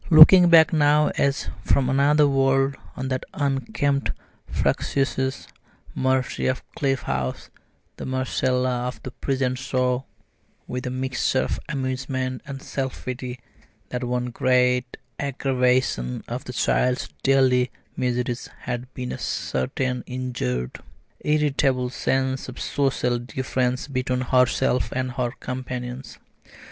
Looking back now as from another world on that unkempt fractious Marcie of Cliff House, the Marcella of the present saw with a mixture of amusement and self pity that one great aggravation of that child's daily miseries had been a certain injured, irritable sense of social difference between herself and her companions.